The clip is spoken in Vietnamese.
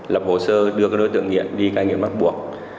lập hồ sơ đưa các đối tượng nghiện đi cai nghiện bắt buộc